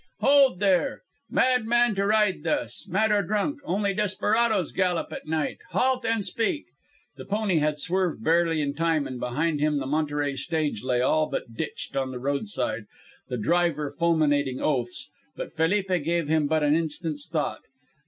"Hold, there! Madman to ride thus. Mad or drunk. Only desperadoes gallop at night. Halt and speak!" The pony had swerved barely in time, and behind him the Monterey stage lay all but ditched on the roadside, the driver fulminating oaths. But Felipe gave him but an instant's thought.